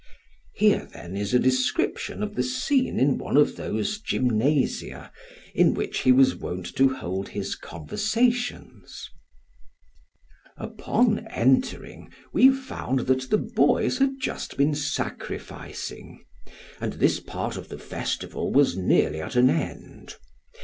Here, then, is a description of the scene in one of those gymnasia in which he was wont to hold his conversations: "Upon entering we found that the boys had just been sacrificing; and this part of the festival was nearly at an end.